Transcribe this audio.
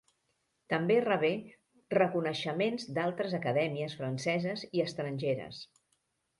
També rebé reconeixements d'altres acadèmies franceses i estrangeres.